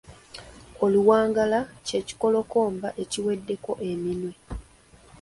Oluwagala ky'ekikolokomba ekiweddeko eminwe.